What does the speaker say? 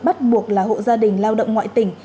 bắt buộc là hộ gia đình lao động ngoại tỉnh